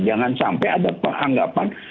jangan sampai ada peranggapan